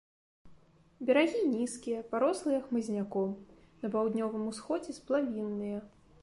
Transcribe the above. Берагі нізкія, парослыя хмызняком, на паўднёвым усходзе сплавінныя.